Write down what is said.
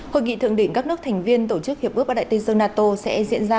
hội nghị thượng đỉnh các nước